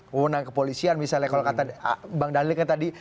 mohonan kepolisian misalnya kalau kata bang dalil kan tadi